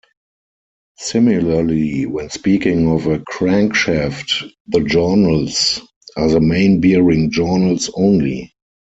Similarly, when speaking of a crankshaft, the "journals" are the main bearing journals only.